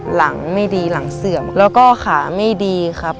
หลังไม่ดีหลังเสื่อมแล้วก็ขาไม่ดีครับ